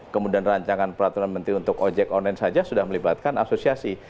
kemudian rancangan peraturan menteri untuk ojek online saja sudah melibatkan asosiasi